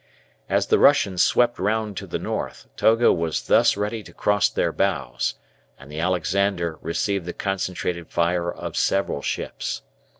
As the Russians swept round to the north Togo was thus ready to cross their bows, and the "Alexander" received the concentrated fire of several ships.